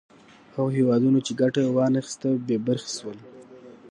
هغو هېوادونو چې ګټه وا نه خیسته بې برخې شول.